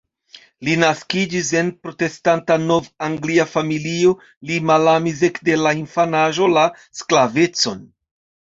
Li naskiĝis en protestanta nov-anglia familio, li malamis ekde la infanaĝo la sklavecon.